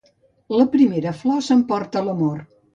La primera flor s'emporta l'amor.